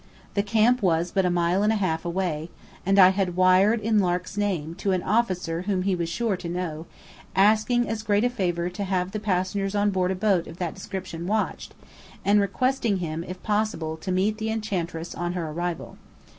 The camp was but a mile and a half away, and I had wired in Lark's name, to an officer whom he was sure to know, asking as a great favour to have the passengers on board a boat of that description watched; and requesting him if possible to meet the Enchantress on her arrival.